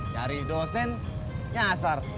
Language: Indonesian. cari dosen nyasar